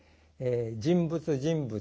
人物人物